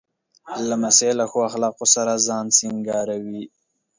لمسی له ښو اخلاقو سره ځان سینګاروي.